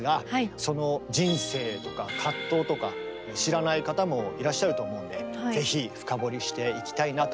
その人生とか葛藤とか知らない方もいらっしゃると思うのでぜひ深掘りしていきたいなと。